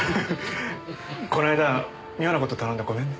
この間は妙な事頼んでごめんね。